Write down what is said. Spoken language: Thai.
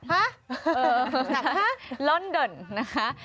หาลอนเดินนะคะ